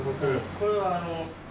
これはあの。